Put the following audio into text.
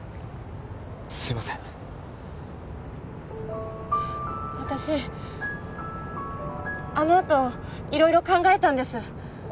すいません私あのあと色々考えたんです